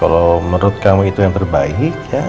kalau menurut kamu itu yang terbaik ya